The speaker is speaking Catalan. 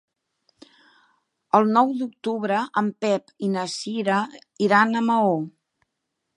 El nou d'octubre en Pep i na Cira iran a Maó.